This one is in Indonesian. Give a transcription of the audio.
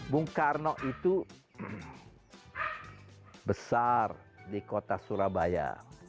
bung karno itu besar di kota surabaya